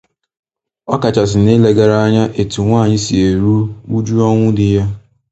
ọkachasị n'ilegara anya etu nwaanyị si eru uju ọnwụ di ya